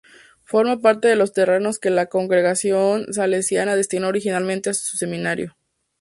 Forma parte de los terrenos que la Congregación Salesiana destinó originalmente a un seminario.